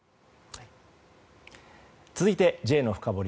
続いて、Ｊのフカボリ。